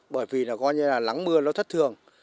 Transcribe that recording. bởi vì lắng mưa nó thất thường